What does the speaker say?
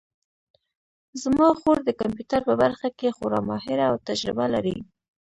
زما خور د کمپیوټر په برخه کې خورا ماهره او تجربه لري